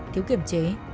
thiếu kiểm chế